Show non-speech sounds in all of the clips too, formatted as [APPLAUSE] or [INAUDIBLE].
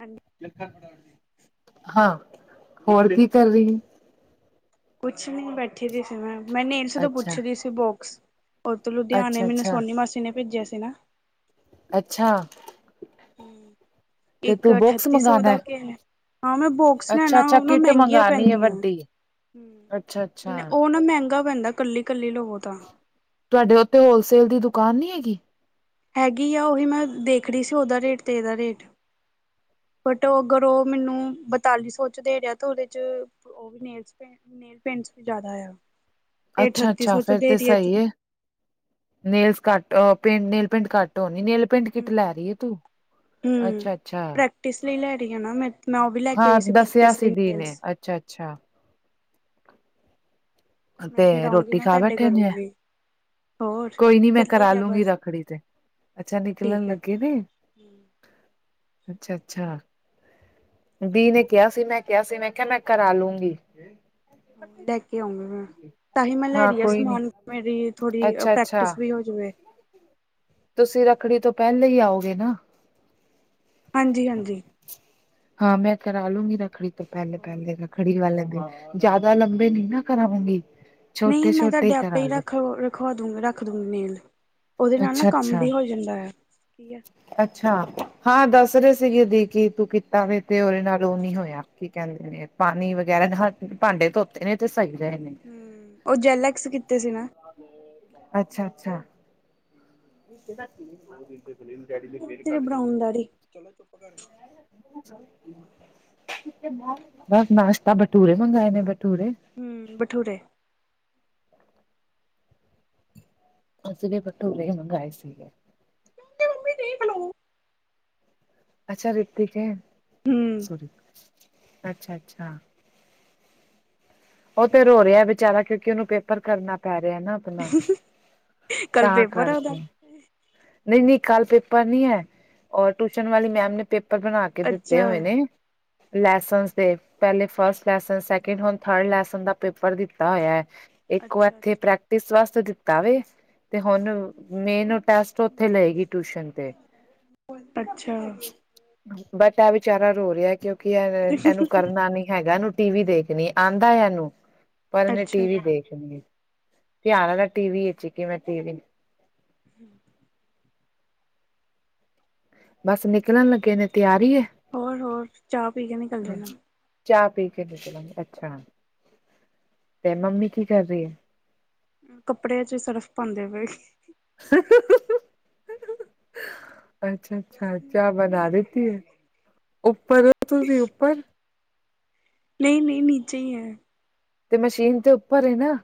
ਹਾਂਜੀ। ਹਾਂ, ਹੋਰ ਕੀ। ਕਰ ਰਹੀ ਹੈ ਕੁਛ ਨੀ, ਬੈਠੀ ਦੀ ਸੀ ਮੈਂ। ਮੈਂ ਨੇਲਸੀ, ਤੋਂ ਅੱਛਾ ਪੁੱਛ ਰੀ ਸੀ ਬੋਕਸ। ਓ ਤੋਂ, ਲੁਧਿਆਣੇ ਅੱਛਾ ਮੈਨੂੰ, ਅੱਛਾ ਸੋਨੀ ਮਾਸੀ ਨੇ ਭੇਜਿਆ ਸੀ ਨਾ। ਅੱਛਾ। ਤੇ ਇੱਕ, ਤੂੰ ਬੁਕਸ ਅਠੱਤੀ ਸੌ, ਮੰਗਵਾਉਣਾ ਦਾ ਹੈ ਕਿਆ। ਹਾਂ, ਮੈਂ ਬੋਕਸ ਅੱਛਾ ਲੈਣਾ। ਓ ਅੱਛਾ ਨਾ, ਕਿੱਟ ਮੈਂਗੀਆਂ ਮੰਗਵਾਉਣੀ ਹੈ ਪੈਂਦੀਆਂ। ਵੱਡੀ ਅੱਛਾ ਅੱਛਾ ਓ ਨਾ, ਮੈਂਹਗਾ ਪੈਂਦਾ, ਕੱਲੀ- ਕੱਲੀ ਲਵੋ ਤਾਂ। ਤੁਆਡੇ ਓਥੇ, ਹੋਲਸੇਲ ਦੀ, ਦੁਕਾਨ ਨੀ ਹੈਗੀ। ਹੈਗੀ ਆ। ਓਹੀ ਮੈਂ, ਦੇਖ ਰੀ ਸੀ। ਓਦਾ ਰੇਟ ਤੇ ਏਦਾ ਰੇਟ। ਬਟ ਅਗਰ, ਓ ਮੈਨੂੰ ਬਤਾਲੀ ਸੌ, ਚ ਦੇ ਰਿਆ। ਤਾਂ ਓਦੇ ਚ, ਓ ਵੀ ਨੇਲਸ ਵੀ- ਨੇਲ ਪੇਂਟਸ, ਵੀ ਜ਼ਾਦਾ ਆ। ਤੇ ਅੱਛਾ- ਅਠੱਤੀ ਅੱਛਾ, ਸੌ ਚ ਫੇਰ ਦੇ ਤੇ ਰਹੀ ਐ। ਸਈ ਏ। ਨੇਲਸ ਕੱਟ। ਅ ਪੇ ਨੇਲ ਪੇਂਟ ਕੱਟ ਹੋਣੀ। ਨੇਲ- ਪਿੰਟ ਕਿੱਟ, ਹੂੰ। ਲੈ ਰੀ ਏ ਤੂੰ। ਹੂੰ ਅੱਛਾ- ਅੱਛਾ। ਪ੍ਰੈਕਟਿਸ ਲਈ, ਲੈ ਰੀ ਆ ਨਾ ਮੈਂ। ਮੈਂ ਓ, ਵੀ ਲੈ ਕੇ ਹਾਂ ਆਈ ਸੀ। ਦੱਸਿਆ ਪ੍ਰੈਕਟਿਸ ਸੀ ਲਈ ਦੀ ਨੇ ਨੇਲਸ। ਅੱਛਾ- ਅੱਛਾ। ਤੇ ਮੈਂ ਫਿਰ ਆਊਂਗੀ ਰੋਟੀ, ਨਾ ਖਾ ਤੁਹਾਡੇ ਬੈਠੇ ਨੇ ਐ? ਕਰੂੰਗੀ ਹੋਰ ਕੋਈ ਨੀ, ਮੈਂ ਚੱਲੇ ਕਰਾ ਹੀ ਆ ਲੂੰਗੀ, ਬਸ ਰੱਖੜੀ ਤੇ। ਅੱਛਾ ਨਿਕਲਣ ਠੀਕ ਹੈ। ਲੱਗੇ ਨੇ। ਅੱਛਾ- ਅੱਛਾ। ਬੀ ਨੇ ਕਿਆ ਸੀ। ਮੈਂ ਕਿਆ ਸੀ, ਮੈਂ ਕਿਆ ਮੈਂ ਕਰਾ ਲੂੰਗੀ। ਲੈ ਕੇ ਆਉਂ ਮੈਂ, ਤਾਂਹੀ ਮੈਂ ਲੈ ਹਾਂ ਰੀ, ਆ ਕੋਈ ਨੀ ਸਮਾਨ। ਮੇਰੀ ਥੋੜੀ ਅੱਛਾ ਅੱਛਾ ਪ੍ਰੈਕਟਿਸ ਵੀ ਹੋ- ਵੇ ਤੁਸੀਂ ਰੱਖੜੀ ਤੋਂ, ਪੈਲੇ ਈ ਆਓਗੇ ਨਾ। ਹਾਂਜੀ- ਹਾਂਜੀ। ਹਾਂ, ਮੈਂ ਕਰਾ ਲੂੰਗੀ। ਰੱਖੜੀ ਤੋਂ ਪੈਲੇ -ਪੈਲੇ ਰੱਖ- ਰਖੜੀ ਵਾਲੇ ਦਿਨ। ਜਾਦਾ ਲੰਬੇ ਨੀ, ਨਾ ਕਰਾਂਵਾਗੀ। ਨਈ ਮੈਂ ਤਾਡੇ, ਆਪੇ ਹੀ ਰੱਖ ਲਓ। ਰ- ਖਵਾ ਦੂ। ਰੱਖ ਦੂੰਗੀ ਨੇਲ, ਓਦੇ ਨਾਲ ਨਾ, ਅੱਛਾ ਕੰਮ ਅੱਛਾ ਵੀ ਹੋ ਜਾਂਦਾ ਐ। ਅੱਛਾ, ਹਾਂ ਦੱਸ ਰੇ ਸੀਗੇ ਦੀ ਕੀ, ਤੂੰ ਕੀਤਾ ਵੇ ਤੇ ਓਦੇ ਨਾਲ ਓ ਨੀ ਹੋਇਆ, ਕੀ ਕੇਂਦੇ ਏ ਪਾਨੀ ਵਗੈਰਾ ਹੱਥ, ਭਾਂਡੇ ਧੋਤ- ਤੇਰੇ ਤੇ ਤਾਂ ਸਈ ਰਏ ਨੇ। [UNINTELLIGIBLE] ਹੂੰ, ਓ ਜਲੈਕਸ ਕੀਤੇ ਸੀ ਨਾ। ਅੱਛਾ, ਅੱਛਾ। [UNINTELLIGIBLE] ਉਹ ਤੇਰੇ ਬਰਾਉਨ ਦਾੜੀ, ਚਲ ਏ ਚੁੱਪ ਕਰ। ਬਸ ਨਾਸ਼ਤਾ, ਬਟੂਰੇ ਮੰਗਵਾਏ ਨੇ ਬਟੂਰੇ। ਹੂੰ, ਬਠੂਰੇ। ਅਸੀ ਤੇ ਭਟੂਰੇ ਹੀ ਮਂਗਾਏ ਸੀਗੇ ਤੇ ਮੰਮੀ ਦੇਖ ਲੂ ਅੱਛਾ ਰਿਤੀਕ ਏ, ਹੂੰ ਅੱਛਾ-ਅੱਛਾ ਉਹ ਤੇ ਰੋ ਰਿਆ ਵਿਚਾਰਾ ਕਿਉਂਕਿ ਉਹਨੂੰ ਪੇਪਰ ਕਰਨਾ ਪੈ ਰਿਆ ਨਾ ਨਾ, ਕੱਲ ਤਾਂ ਪੇਪਰ ਆ ਉਹਦਾ ਕਰਕੇ ਨਹੀਂ-ਨਹੀਂ ਕੱਲ ਪੇਪਰ ਨਈਂ ਐਂ, ਔਰ ਟਿਊਸ਼ਨ ਵਾਲੀ ਮੈਮ ਨੇ ਪੇਪਰ ਬਣਾ ਕੇ ਦਿੱਤੇ ਅੱਛਾ ਹੋਏ ਨੇ, ਲੈਸਨਸ ਦੇ ਪਹਿਲੇ ਫਸਟ ਲੈਸਨ ਸੈਕਿੰਡ ਹ ਥਰਡ ਲੈਸਨ ਦਾ ਪੇਪਰ ਦਿੱਤਾ ਹੋਇਐ, ਇੱਕ ਉਹ ਅੱਛਾ ਇਥੇ ਅੱਛਾ ਪ੍ਰੈਕਟਿਸ ਵਾਸਤੇ ਦਿੱਤਾ ਵੇ ਤੇ ਹੁਨ, ਮੇਨ ਟੈਸਟ ਉੱਥੇ ਲਏਗੀ ਟਿਊਸ਼ਨ ਤੇ ਅੱਛਾ ਬਟ ਐ ਵਿਚਾਰਾ ਰੋ ਰਿਆ ਕਿਉਂਕਿ ਇਹ ਇਹਨੂੰ ਕਰਨਾ ਨੀ ਹੈਗਾ ਇਹਨੂੰ ਟੀ ਵੀ ਦੇਖਨੀ ਏ। ਆਉਂਦਾ ਐ ਇਹਨੂੰ, ਪਰ ਇਹਨੇ ਅੱਛਾ ਟੀ ਵੀ ਦੇਖਨੀ ਏ। ਧਿਆਨ ਏਦਾ ਟੀ ਵੀ ਚ ਏ ਕਿਵੇੈਂ ਟੀ ਵੀ ਨ ਹਮ ਬਸ ਨਿਕਲਨ ਲੱਗੇ ਨੇ ਤਿਆਰੀ ਐ ਹੋਰ-ਹੋਰ ਚਾਹ ਪੀ ਕੇ ਨਿਕਲ ਜਾਨਾ। ਚਾਹ ਪੀ ਕੇ ਨਿਕਲਨਗੇ ਅੱਛਾ, ਤੇ ਮੰਮੀ ਕੀ ਕਰ ਰਈ ਏ? ਕੱਪੜਿਆਂ ਚ ਸਰਫ ਪਾਂਦੇ ਪਏ ਹ-ਹ-ਹ-ਹ [UNINTELLIGIBLE] ਅੱਛਾ-ਅੱਛਾ ਚਾਹ ਬਨਾ ਦਿੱਤੀ ਏ, ਉੱਪਰ ਓ ਤੁਸੀਂ ਉੱਪਰ? ਨਈਂ-ਨਈਂ ਨੀਚੇ ਈਂ ਏਂ। ਤੇ ਮਸ਼ੀਨ ਤੇ ਉੱਪਰ ਏ ਨਾ?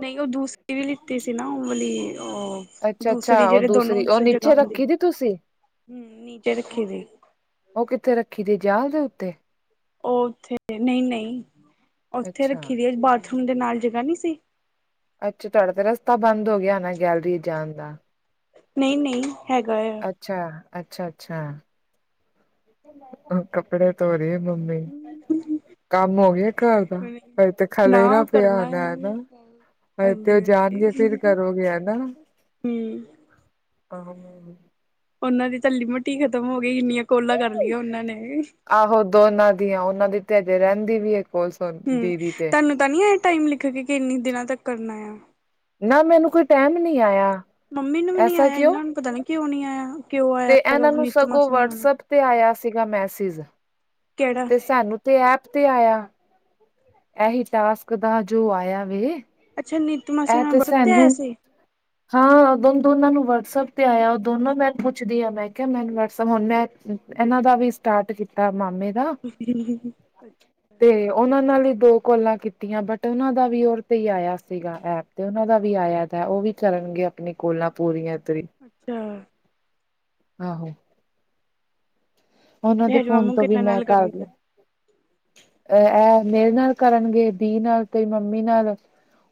ਨਹੀਂ ਉਹ ਦੂਸਰੀ ਵੀ ਲਿੱਤੀ ਸੀ ਨਾ ਉਹ ਵਾਲੀ, ਉਹ ਅੱਛਾ ਦੂਸਰੀ ਅੱਛਾ ਉਹ ਜਿਹੜੇ ਦੋਨੋ ਦੂਸਰੀ ਉਹ ਜਗ੍ਹਾ ਨੀਚੇ ਹੁੰਦੀ, ਰੱਖੀ ਦੀ ਤੁਸੀਂ ਹੂੰ ਨੀਚੇ ਰੱਖੇ ਦੀ ਉਹ ਕਿੱਥੇ ਰੱਖੀ ਦੀ ਜਾਲ ਦੇ ਉੱਤੇ? ਉਹ ਉੱਥੇ ਨਹੀਂ-ਨਹੀਂ, ਉੱਥੇ ਅੱਛਾ ਰੱਖੀ ਦੀ ਬਾਥਰੂਮ ਦੇ ਨਾਲ ਜਗ੍ਹਾ ਨਹੀਂ ਸੀ? ਅੱਛਾ ਤੁਹਾਡਾ ਤਾਂ ਰਸਤਾ ਬੰਦ ਹੋ ਗਿਆ ਨਾ ਗੈਲਰੀ ਜਾਨ ਦਾ? ਨਈੰ-ਨਈਂ ਹੈਗਾ ਏ। ਅੱਛਾ, ਅੱਛਾ-ਅੱਛਾ। ਅ ਕੱਪੜੇ ਧੋ ਰੀਏ ਮੰਮੀ। ਕੰਮ ਹੋ ਗਿਆ ਘਰ ਦਾ, ਕਦੇ ਤੇ ਨਾ ਖਲੇਰਾ ਉਹ ਪਿਆ ਕਰਨਾ ਹੋਨਾ ਹੈ ਐ ਨਾ? ਤੇ ਹਾਂਜੀ ਹਾਂਜੀ ਉਹ ਜਾਨਗੇ ਫਿਰ ਕਰੋਗੇ ਹੈਨਾ? ਹਮ ਉਹਨਾਂ ਦੀ ਤਾਂ ਲਿਮੀਟ ਹੀ ਖਤਮ ਹੋ ਗਈ ਇੰਨੀਆਂ ਕੋਲਾਂ ਕਰ ਲਈਆਂ ਉਹਨਾਂ ਨੇ ਆਹੋ ਦੋਨਾਂ ਦੀਆਂ ਉਹਨਾਂ ਦੀ ਤੇ ਹਜੇ ਰਹਿੰਦੀ ਵੀ ਐ ਕੋਲਸ। ਹੂੰ, ਤਾੱਨੂੰ ਤਾਂ ਨੀ ਇਹ ਟਾਈਮ ਲਿਖ ਕੇ, ਈਂਨੀ ਦਿਨਾਂ ਤੱਕ ਕਰਨਾ ਯਾਂ? ਨਾ ਮੈਨੂੰ ਕੋਈ ਟਾਇਮ ਨੀਂ ਆਇਆ ਮੰਮੀ ਨੂੰ ਵੀ ਨੀ ਐਸਾ ਆਇਆ ਕਿਉਂ ਇਹਨਾਂ ਨੂੰ ਪਤਾ ਨੀ ਕਿਉਂ ਨੀ ਆਇਆ, ਕਿਉਂ ਆਇਆ ਤੇ ਹੈਗਾ ਇਹਨਾਂ ਨੂੰ ਵਿਵਨੀਤ ਸਗੋਂ ਮਾਸੀ ਉਹਨਾਂ ਨੂੰ। ਵਟਸਐਪ ਤੇ ਆਇਆ ਸੀਗਾ ਮੈਸੇਜ਼, ਕਿਹੜਾ ਤੇ ਸਾਨੂੰ ਤੇ ਐਪ ਤੇ ਆਇਆ। ਐਹੀ ਟਾਸਕ ਦਾ ਜੋ ਆਇਆ ਵੇ ਅੱਛਾ ਨੀਤੂ ਮਾਸੀ ਇਹ ਦਾ ਤੇ ਬਸ ਉਤੇ ਆਯਾ ਸਾਨੂੰ ਸੀ? ਹਾਂ ਓੱ ਦੋਨ ਦੋਨਾਂ ਨੂੰ ਅੱਛਾ ਵਟਸਐਪ ਤੇ ਅੱਛਾ ਆਇਆ ਠੀਕ ਦੋਨੋ ਮੈਠੋ ਪੁੱਛਦੀ ਮੈਂ ਕਿਹਾ ਮੈਨੂੰਸ ਹੁਣ ਮੈਂ ਇਹਨਾਂ ਦਾ ਵੀ ਸਟਾਰਟ ਕੀਤਾ ਮਾਮੇ ਦਾ [UNINTELLIGIBLE] [INAUDIBLE] ਤੇ ਉਹਨਾਂ ਨਾਲ ਹੀ ਦੋ ਕੋਲਾਂ ਕੀਤੀਆਂ ਬਟ ਉਹਨਾਂ ਦਾ ਵੀ ਓਸ ਤੇ ਹੀ ਆਇਆ ਸੀਗਾ ਐਪ ਤੇ ਉਹਨਾਂ ਦਾ ਵੀ ਆਇਆਤ ਹੈ ਉਹ ਵੀ ਕਰਨਗੇ ਆਪਣੀ ਕੋਲਾਂ ਪੂਰੀਆਂ ਤਰੀ ਅੱਛਾ ਆਹੋ ਉਹਨਾਂ ਦੇ ਹੈਰੀ ਫੋਨ ਮਾਮੂ ਤੋਂ ਵੀ ਕਿੰਨਾ ਮੈਂ ਨਾਲ ਕਰ ਲ ਕਰੂੰਗੇ ਅ ਇਹ ਮੇਰੇ ਨਾਲ ਕਰਨਗੇ ਦੀ ਨਾਲ ਤੇ ਮੰਮੀ ਨਾਲ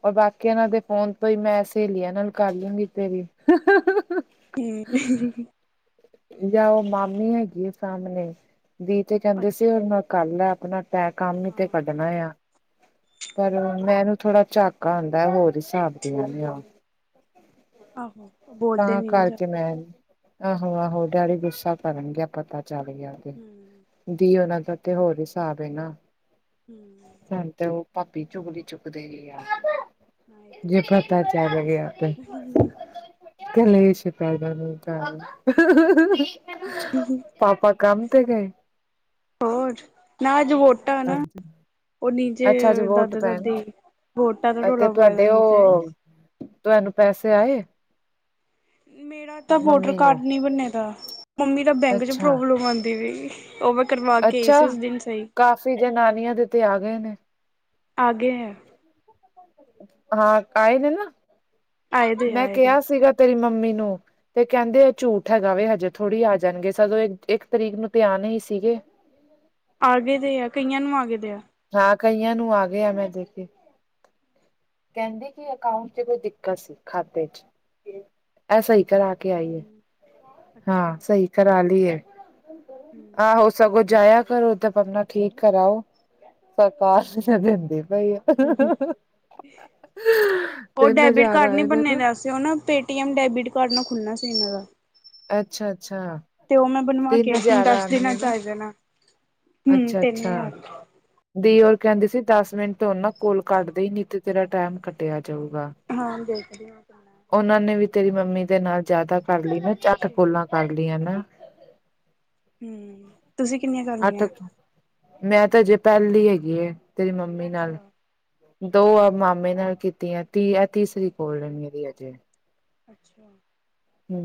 ਔਰ ਬਾਕੀ ਇਹਨਾਂ ਦੇ ਫੋਨ ਤੋਂ ਹੀ ਮੈਂ ਸੇਹਲੀਆ ਇਹਨਾਂ ਨੂੰ ਕਰ ਲਾਂਗੀ ਤੇਰੀ [INAUDIBLE] ਹੂੰ [INAUDIBLE] ਜਾਂ ਉਹ ਮਾਮੀ ਹੈਗੀ ਸਾਹਮਣੇ ਵੀ ਤੇ ਕਹਿੰਦੇ ਸੀ ਅੱਛਾ ਉਹ ਨਾਲ ਕਰ ਆਪਣਾ ਟੈ ਕੰਮ ਹੀ ਤੇ ਹਾਂ ਕੱਢਣਾ ਆ। ਪਰ ਮੈਨੂੰ ਥੋੜਾ ਝਾੱਕਾ ਆਉਂਦਾ ਹੋਰ ਹਿਸਾਬ ਦੀਆਂ ਉਹ ਆਹੋ ਬੋਲਦੇ ਤਾਂ ਨੀ ਨਾ ਕਰਕੇ ਜ਼ਿਆਦਾ ਮੈਂ ਆਹੋ -ਆਹੋ ਡੈਡੀ ਗੁੱਸਾ ਕਰਨ ਗਏ ਪਤਾ ਚੱਲ ਗਿਆ। ਤੇ ਹੂੰ ਦੀ ਉਹਨਾ ਦਾ ਤੇ ਹੋਰ ਹਿਸਾਬ ਹੈ ਨਾ ਹੂੰ ਹ ਤੇ ਉਹ ਭਾਬੀ ਚੁਗਲੀ ਚੁਕਦੇ ਗੀ ਆ ਹਾਂ ਇਹ ਤਾਂ ਜੇ ਹੈ ਪਤਾ ਚੱਲ ਗਿਆ ਤੇ ਕਲੇਸ਼ ਪੈ ਜਾਣਾ ਹੀ ਘਰ 'ਚ [INAUDIBLE] ਪਾਪਾ ਕੰਮ ਤੇ ਗਏ। ਹੋਰ ਨਾ ਅੱਜ ਵੋਟਾਂ ਨਾ। ਅੱਛਾ ਉਹ ਨੀਚੇ ਅੱਛਾ ਅੱਜ ਵੋਟ ਦਾਦਾ ਦਾਦੇ ਪੈਣੀ ਹੈ ਵੋਟਾਂ ਦਾ ਅਤੇ ਡੋਲਾ ਪਾਇਆ ਦਾ ਤੁਹਾਡੇ ਨੀਚੇ ਉਹ ਤੁਹਾਨੂੰ ਪੈਸੇ ਆਏ। ਮੇਰਾ ਤਾਂ ਵੋਟਰ ਮੰਮੀ ਕਾਰਡ ਨੂੰ ਨਹੀਂ ਬਣਿਆ ਦਾ ਮੰਮੀ ਤਾਂ ਬੈਂਕ 'ਚ ਅੱਛਾ ਪ੍ਰੋਬਲਮ ਆਉਂਦੀ ਪਈ। ਉਹ ਵੀ ਕਰਵ ਅੱਛਾ ਕਾਫੀ ਜਨਾਨੀਆਂ ਦੇ ਤੇ ਆ ਗਏ ਨੇ। ਆਗੇ ਹੈ। ਹਾਂ ਆਏ ਨੇ ਨਾ ਆਏ ਦੇ ਮੈਂ ਆਏ ਦੇ ਕਿਹਾ ਸੀਗਾ। ਤੇਰੀ ਮੰਮੀ ਨੂੰ ਤੇ ਕਹਿੰਦੇ ਆ ਝੂਠ ਹੈਗਾ ਵੇ ਹਜੇ ਥੋੜੀ ਆ ਜਾਣਗੇ ਸਦੋਂ ਇੱਕ ਤਰੀਕ ਨੂੰ ਤੇ ਆਨੇ ਸੀਗੇ। ਆ ਗਏ ਦੇ ਆ ਕਈਆਂ ਨੂੰ ਆ ਗਏ ਦੇ ਆ। ਹਾਂ ਕਈਆਂ ਨੂੰ ਆ ਗਏ ਆ ਮੈਂ ਦੇਖ ਕਹਿੰਦੀ ਕਿ ਅਕਾਊਂਟ 'ਚ ਕੋਈ ਦਿੱਕਤ ਸੀ ਖਾਤੇ 'ਚ ਇਹ ਸਹੀ ਕਰਾ ਆਈ ਹਮ ਹਾਂ ਅੱਛਾ ਸਹੀ ਕਰਾ ਲਈ ਹੈ ਆਹੋ। ਸਗੋਂ ਜਾਇਆ ਕਰੋ ਤੇ ਬਣਦਾ ਠੀਕ ਕਰਾਓ। [UNINTELLIGIBLE] ਦੇਂਦੀ ਬਈ [INAUDIBLE] ਤਿੰਨ ਹਜ਼ਾਰ ਆਏ ਨੇ ਨਾ। ਤੇ ਉਹ ਨਾ ਪੇਟੀਐਮ ਡੈਬਿਟ ਕਾਰਡ ਨਾਲ ਖੁੱਲਣਾ ਸੀ ਇਹਨਾਂ ਦਾ ਅੱਛਾ ਅੱਛਾ ਤੇ ਉਹ ਮੈਂ ਬਣਵਾ ਕੇ ਤਿੰਨ ਆਈ ਹਜ਼ਾਰ ਦੱਸ ਦਿਨਾਂ ਆਣਗੇ 'ਚ ਨਾ ਆ ਜਾਨਾ। ਹੂੰ ਅੱਛਾ ਤਿੰਨ ਅੱਛਾ ਹਜਾਰ ਦੀ ਰ ਕਹਿੰਦੀ ਸੀ ਦਸ ਮਿੰਟ ਨਾ ਕੋਲ ਕੱਟਦੇ ਨਹੀਂ ਤੇ ਤੇਰਾ ਟੈਮ ਕੱਟਿਆ ਜਾਊਗਾ। ਹਾਂ ਦੇਖ ਲਿਆ। ਉਹਨਾਂ ਨੇ ਵੀ ਤੇਰੀ ਮੰਮੀ ਦੇ ਨਾਲ ਜ਼ਿਆਦਾ ਕਰ ਲਈ ਨਾ ਇਹਦਾ ਝੱਟ ਛੇ ਕੋਲਾਂ ਕਰ ਲਈਆਂ ਨਾ। ਤੁਸੀਂ ਕਿੰਨੀਆਂ ਕਰ ਅੱਠ ਲਈਆਂ। ਮੈਂ ਤਾਂ ਅਜੇ ਪਹਿਲੀ ਹੈਗੀ ਹੈ ਤੇਰੀ ਮੰਮੀ ਨਾਲ ਅੱਛਾ-ਅੱਛਾ। ਦੋ ਆ ਮਾਮੇ ਨਾਲ ਕੀਤੀਆਂ ਤੀ ਤੀਸਰੀ ਕੋਲ ਰਹਿੰਦੀ ਅਜੇ ਅੱਛਾ [INAUDIBLE] ਹੂੰ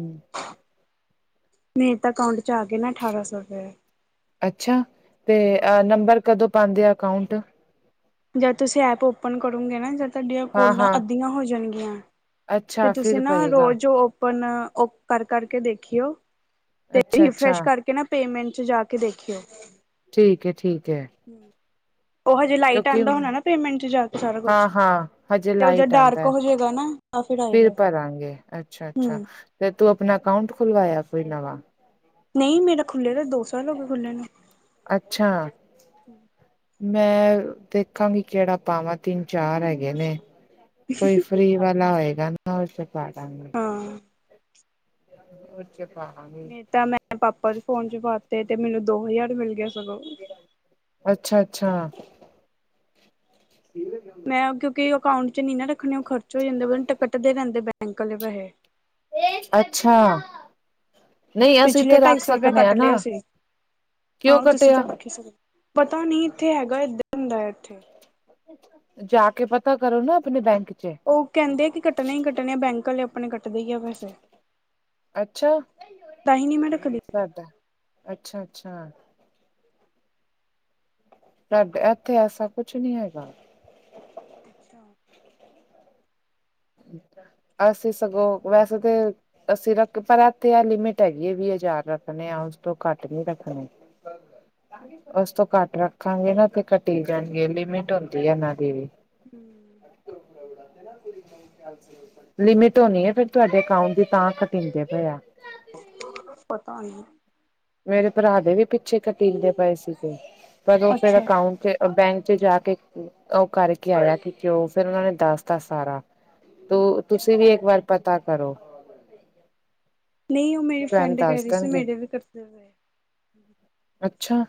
ਮੇਰੇ ਤਾਂ ਅਕਾਊਂਟ 'ਚ ਆ ਗਏ ਨਾ ਅਠਾਰਾਂ ਸੌ ਰੁਪਏ ਅੱਛਾ ਤੇ ਅ ਹੋਰ ਨੰਬਰ ਕਦੋਂ ਪਾਉਂਦੇ ਆ ਅਕਾਊਂਟ ਜਦ ਤੁਸੀਂ ਐਪ ਓਪਨ ਕਰੋਗੇ ਨਾ ਜ ਤੁਹਾਡੀਆਂ ਹਾਂ ਕੋਲਾਂ ਹਾਂ ਅੱਧੀਆਂ ਹੋ ਜਾਣਗੀਆਂ। ਤੇ ਅੱਛਾ ਤੁਸੀਂ ਫਿਰ ਨਾ ਪਏਗਾ ਰੋਜ਼ ਜੋ ਆਪ ਉਹ ਕਰ ਕਰਕੇ ਦੇਖੀਓ ਅੱਛਾ ਤੇ ਅੱਛਾ ਫਰੈਸ਼ ਕਰਕੇ ਕੇ ਨਾ ਪੇਮੈਂਟ 'ਚ ਜਾ ਕੇ ਦੇਖਿਓ। ਠੀਕ ਏ- ਠੀਕ ਏ। ਹੂੰ ਓ ਹਜੇ ਲਾਈਟ ਆਂਦਾ ਹੋਣਾ ਨਾ ਪੇਮੈਂਟ' ਚ ਜਾ ਕੇ ਸਾਰਾ ਹਾਂ ਕੁਛ। ਹਾਂ ਹਜੇ ਤੇ ਓ ਜੇ ਲਾਈਟ ਆਉਂਦਾ ਡਾਰਕ ਹੋ ਜੇਗਾ ਨਾ। ਤਾਂ ਫਿਰ ਆਏਗਾ। ਭਰਾਂਗੇ ਅੱਛਾ- ਅੱਛਾ ਹੂੰ, ਫੇਰ ਤੂੰ ਆਪਣਾ ਅਕਾਊਂਟ ਖੁਲਵਾਇਆ ਕੋਈ ਨਵਾਂ। ਨਹੀਂ ਮੇਰਾ ਖੁੱਲ੍ਹਿਆ ਦਾ ਦੋ ਸਾਲ ਹੋਗੇ ਖੁੱਲ੍ਹੇ ਨੂੰ। ਅੱਛਾ ਮੈਂ ਦੇਖਾਂਗੀ ਕੇੜਾ ਪਾਵਾਂ ਤਿੰਨ -ਚਾਰ ਹੈਗੇ। ਗੇ ਨੇ। ਕੋਈ ਫ੍ਰੀ ਵਾਲਾ ਹੋਏਗਾ ਨਾ ਓ'ਚ ਪਾ ਦਾਂਗੇ। ਹਾਂ [INAUDIBLE] ਚ'ਪਾਂ ਗੇ। ਨਈ ਤਾਂ ਮੈਂ ਪਾਪਾ ਦੇ ਫੋਨ' ਚ ਪਾਤੇ ਤੇ ਮੈਨੂੰ ਦੋ ਹਜ਼ਾਰ ਮਿਲ ਗਿਆ ਸਗੋਂ। ਅੱਛਾ -ਅੱਛਾ। ਠੀਕ ਲਗਿਆ। ਮੈਂ ਕਿਉਂਕਿ ਅਕਾਊਂਟ 'ਚ ਨੀ ਨਾ ਰੱਖਣੇ ਓ ਖਰਚ ਹੋ ਜਾਂਦੇ। ਪਤਾ ਨਹੀ ਕਟਦੇ ਰੇਂਦੇ ਬੈਂਕ ਆਲੇ ਪੈਸੇ। [UNINTELLIGIBLE] ਅੱਛਾ। ਨਹੀਂ ਅਸੀਂ ਪਿਛਲੇ ਤੇ ਢਾਈ ਰੱਖ ਸੌ ਰੁਪਿਆ ਸਕਦੇ ਕੱਟ ਹਾਂ ਨਾ ਲਿਆ ਸੀ। ਕਿਉਂ ਹਾਂ ਤੁਸੀਂ ਤਾਂ ਕਟਿਆ ਰੱਖ ਈ ਸਕਦੇ। ਪਤਾ ਨੀ ਏਥੇ ਹੈਗਾ ਏਦਾਂ ਹੁੰਦਾ ਏਥੇ। ਜਾ ਕੇ ਪਤਾ ਕਰੋ ਨਾ ਆਪਣੇ ਬੈਂਕ' ਚ। ਓ ਕੇਂਦੇ ਕਿ ਕੱਟਣੇ ਈ ਕੱਟਣੇ ਆ ਬੈਂਕ ਅਲੇ। ਆਪਣੇ ਕੱਟਦੇ ਈ ਆ ਪੈਸੇ। ਅੱਛਾ ਤਾਂਹੀ ਨੀ ਮੈਂ ਰੱਖਦੀ। ਸਾਡਾ, ਅੱਛਾ- ਅੱਛਾ। ਡਾ ਏਥੇ ਐਸਾ ਕੁਛ ਨੀ ਹੈਗਾ। ਅੱਛਾ ਅਸੀਂ ਸਗੋਂ ਵੈਸੇ ਤੇ- ਅਸੀਂ ਰੱਖ ਪਰ ਏਥੇ ਐ ਲਿਮਿਟ ਹੈਗੀ ਏ ਵੀ ਹਜ਼ਾਰ ਰੱਖਣੇ ਆ ਉਸ ਤੋਂ ਘੱਟ ਨੀ ਰੱਖਣੇ। [INAUDIBLE] ਓਸ ਤੋਂ ਘੱਟ ਰੱਖਾਂਗੇ ਨਾ ਤੇ ਘਟੀ ਜਾਣਗੇ ਲਿਮਿਟ ਹੁੰਦੀ ਏ ਏਨਾਂ ਦੀ ਵੀ। ਹੂੰ ਲਿਮਿਟ ਹੋਣੀ ਏ ਫੇਰ ਤੁਆਡੇ ਅਕਾਊਂਟ ਦੀ ਤਾਂ ਕਟੀਦੇ ਪਏ ਆ। ਪਤਾ ਨੀ। ਮੇਰੇ ਭਰਾ ਦੇ ਵੀ ਪਿੱਛੇ ਕਟੀਦੇ ਪਏ ਸੀਗੇ। ਪਰ ਓ ਫੇਰ ਅੱਛਾ ਅਕਾਊਂਟ' ਚ- ਓ ਬੈਂਕ ਚ ਜਾ ਕੇ ਓ ਕਰਕੇ ਆਇਆ ਕਿ ਕਿਉਂ, ਫਿਰ ਉਨਾਂ ਨੇ ਦੱਸ ਤ ਸਾਰਾ। ਤੂੰ ਤੁਸੀਂ ਅੱਛਾ ਵੀ ਏਕ ਵਾਰ ਪਤਾ ਕਰੋ। ਨਈ ਓ ਮੇਰੀ ਤੁਹਾਨੂੰ ਫਰੈਂਡ ਕਹਿ ਦੱਸ ਰੀ ਸੀ ਦੇਣਗੇ। ਮੇਰੇ ਵੀ ਕਟਦੇ ਪਏ ਆ। ਅੱਛਾ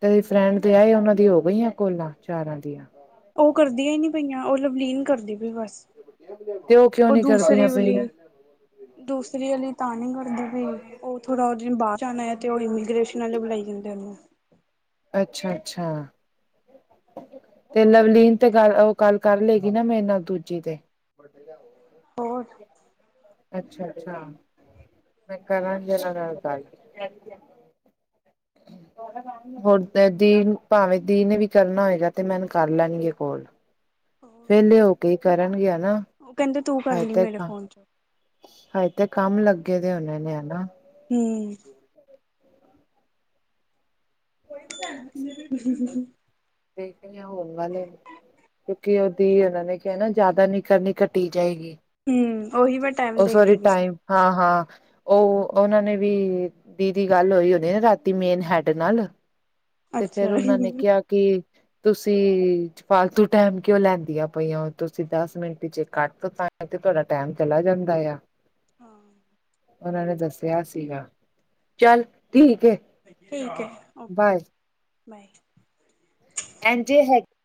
ਤੇਰੀ ਫਰੈਂਡ। ਵਿਆਏ ਉਨਾਂ ਦੀਆ ਹੋ ਗਈਆਂ ਕੋਲਾਂ ਚਾਰਾਂ ਦੀਆਂ। ਓ ਕਰਦੀਆਂ ਈ ਨੀ ਪਈਆਂ। ਓ ਲਵਲੀਨ ਕਰਦੀ ਪਈ ਬਸ। ਤੇ ਉਹ ਕਿਉਂ ਓ ਨੀ ਦੂਸਰੇ ਕਰਦੀਆਂ ਪਈਆਂ? ਵਲੀ- ਦੂਸਰੀ ਅਲੀ ਤਾਂ ਨੀ ਕਰਦੀ ਪਈ ਓ ਥੋੜਾ ਓ ਦਿਨ ਬਾਰ- ਜਾਣਾ ਤੇ ਓ ਇਮੀਗ੍ਰੇਸ਼ਨ ਅਲੇ ਬੁਲਾਈ ਜਾਂਦੇ ਉਨੂੰ। ਅੱਛਾ -ਅੱਛਾ। ਤੇ ਲਵਲੀਨ ਤੇ ਗੱਲ ਓ ਗੱਲ ਕਰ ਲਏਗੀ ਨਾ ਮੇਰੇ ਨਾਲ ਦੂਜੀ ਤੇ। ਬੜੇ ਲੈਵਾਂਗੇ। [INAUDIBLE] ਹੋਰ ਅੱਛਾ- ਅੱਛਾ। ਮੈਂ ਕਰਾਂਗੀ ਓਨਾ ਨਾਲ ਗੱਲ। [INAUDIBLE] ਹੁਣ ਦੀ ਭਾਵੇਂ ਦੀ ਨੇ ਵੀ ਕਰਨਾ ਹੋਏਗਾ ਤੇ ਮੈਨੂੰ ਕਰ ਲੈਣੀਗੇ ਕੋਲ। ਵੇਲੇ ਹੋ ਕੇ ਈ ਕਰਨਗੇ ਹਨਾ। ਓ ਕੇਂਦੇ ਤੂੰ ਕਰ ਹਜੇ ਲਈ ਤੇ ਮੇਰੇ ਫੋਨ ਚੋਂ। ਹਜੇ ਤੇ ਕੰਮ ਲੱਗੇ ਦੇ ਹੋਣੇ ਨੇ ਹਨਾ। ਹੂ,,, [UNINTELLIGIBLE] ਦੇਖ ਰਹੇ ਹਾਂ ਹੋਣ ਵਾਲੇ ਨੇ। ਕਿਉਂਕਿ ਉਹਦੀ ਉਹਨਾ ਨੇ ਕਿਹਾ ਨਾ ਜਿਆਦਾ ਨੀ ਕਰਨੀ ਘਟੀ ਜਾਏਗੀ। ਹੂ ਉਹੀ ਮੈਂ ਟਾਈਮ ਉਹ ਸੋਰੀ ਦੇਖਦੀ ਪੀ ਸੀ। ਟਾਈਮ ਹਾਂ ਹਾਂ ਉਹ ਉਹਨਾਂ ਨੇ ਵੀ ਦੀਦੀ ਗੱਲ ਹੋਈ ਹੋਣੀ ਨਾ ਰਾਤੀ ਮੇਨ ਹੈਡ ਨਾਲ। ਤੇ ਫਿਰ ਅੱਛਾ ਉਹਨਾਂ ਨੇ ਕਿਹਾ ਕਿ ਤੁਸੀਂ ਫਾਲਤੂ ਟਾਈਮ ਕਿਉਂ ਲੈਂਦੀਆਂ ਪਈਆਂ ਓ ਤੁਸੀਂ ਦਸ ਮਿੰਟ ਜੇ ਕੱਟ ਤ ਇੱਥੇ ਤੁਹਾਡਾ ਟੈਮ ਚਲਾ ਜਾਂਦਾ ਆ। ਹਾਂ ਉਹਨਾਂ ਨੇ ਦੱਸਿਆ ਸੀਗਾ ਚੱਲ ਠੀਕ ਏ। ਠੀਕ ਹੈ ਓਕੇ ਬਾਏ ਬਾਏ। ਐਂਜੇ ਹੈਗੇ